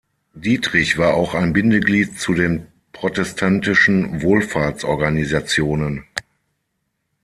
Dietrich war auch ein Bindeglied zu den protestantischen Wohlfahrtsorganisationen.